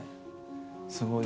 すごい。